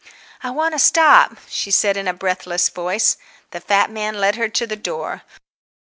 "I want to stop," she said in a breathless voice. The fat man led her to the door.